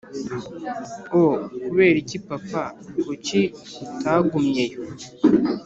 oh, kubera iki papa, kuki utagumyeyo?